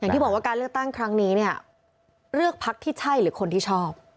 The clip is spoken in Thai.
ที่บอกว่าการเลือกตั้งครั้งนี้เนี่ยเลือกพักที่ใช่หรือคนที่ชอบ